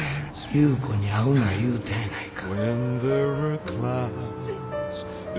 優子に会うな言うたやないか